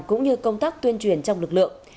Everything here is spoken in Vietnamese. cũng như công tác tuyên truyền trong lực lượng